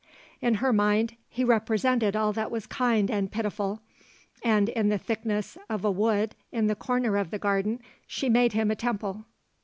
In her mind, he represented all that was kind and pitiful, and in the thickness of a wood in the corner of the garden she made him a temple.